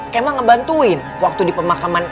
kema ngebantuin waktu di pemakaman